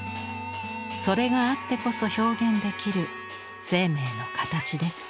それがあってこそ表現できる生命の形です。